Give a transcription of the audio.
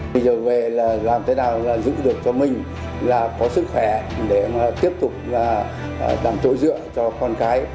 bây giờ về là làm thế nào giúp được cho mình là có sức khỏe để mà tiếp tục làm tối dựa cho con cái